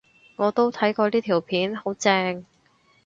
我都睇過呢條片，好正